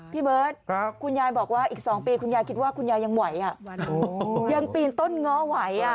พี่เบิรตครับคุณยายบอกว่าอีกสองปีคุณยายคิดว่าคุณยายยังไหวอ่ะ